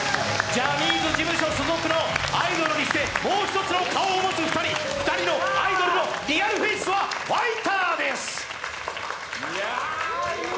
ジャニーズ事務所所属のアイドルにして、もう一つの顔を持つ２人、２人のアイドルのリアルフェイスはファイターです。